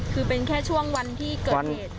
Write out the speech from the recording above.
คือเป็นแค่ช่วงวันที่เกิดเหตุ